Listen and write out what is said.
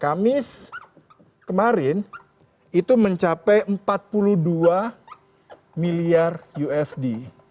kamis kemarin itu mencapai empat puluh dua miliar usd